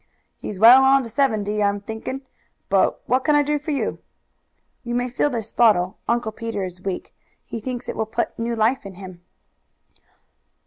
"He's well on to seventy, I'm thinking. But what can I do for you?" "You may fill this bottle; Uncle Peter is weak, he thinks it will put new life in him."